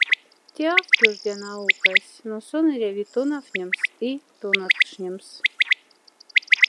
Тя аф тёждя наукась, но сон эряви тонафнемс и тонаткшнемс.